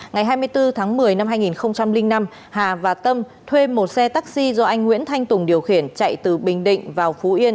ngày hai mươi bốn tháng một mươi năm hai nghìn năm hà và tâm thuê một xe taxi do anh nguyễn thanh tùng điều khiển chạy từ bình định vào phú yên